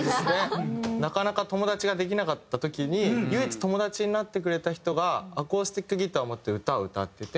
なかなか友達ができなかった時に唯一友達になってくれた人がアコースティックギターを持って歌を歌ってて。